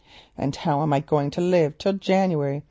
And how am I going to live till January?